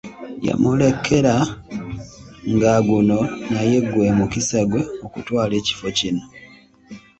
Yamulekera nga guno naye gwe mukisa gwe okutwala ekifo kino.